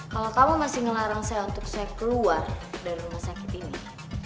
kalau kamu masih ngelarang saya untuk saya keluar dari rumah sakit ini